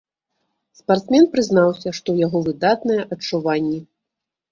Спартсмен прызнаўся, што ў яго выдатныя адчуванні.